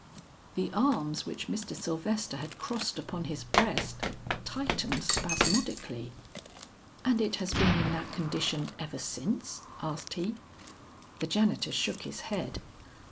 The arms which Mr. Sylvester had crossed upon his breast tightened spasmodically. "And it has been in that condition ever since?" asked he. The janitor shook his head.